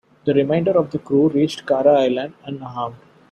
The remainder of the crew reached Cara Island unharmed.